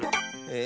え